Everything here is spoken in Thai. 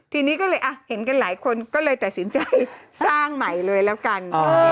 ทีนี้ก็เลยเห็นกันหลายคนก็เลยตัดสินใจสร้างใหม่เลยแล้วกัน